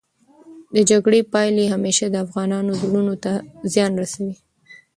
د جګړې پايلې همېشه د افغانانو زړونو ته زیان رسوي.